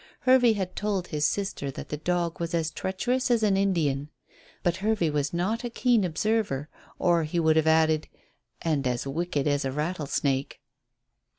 Hervey had told his sister that the dog was as treacherous as an Indian. But Hervey was not a keen observer, or he would have added, "and as wicked as a rattlesnake."